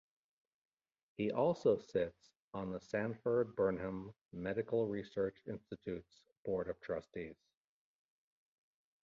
He also sits on the Sanford-Burnham Medical Research Institute's Board of Trustees.